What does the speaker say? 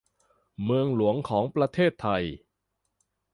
เมืองหลวงของประเทศไทย